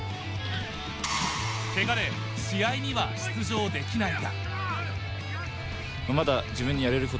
けがで試合には出場できないが。